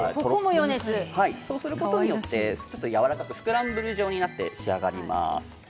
そうすることによってスクランブル状になってやわらかく仕上がります。